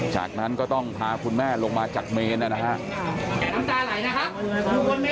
จากนั้นก็จะต้องพาคุณแม่ลงมาจากเมียนะครับ